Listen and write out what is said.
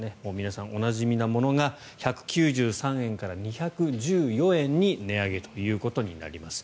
皆さんおなじみのものが１９３円から２１４円に値上げとなります。